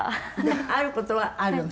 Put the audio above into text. ある事はあるの？